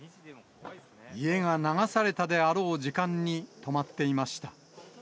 家が流されたであろう時間に止まっていました。